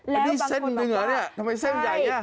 แล้วอันนี้เส้นนึงเหรอเนี่ยทำไมเส้นใหญ่นี่